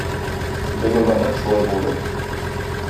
Быел да нәкъ шулай булды.